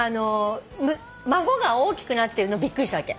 孫が大きくなってるのびっくりしたわけ。